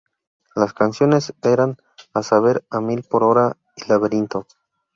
Las canciones eran a saber: A Mil Por Hora y Laberinto.